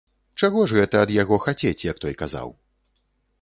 Чаго ж гэта ад яго хацець, як той казаў?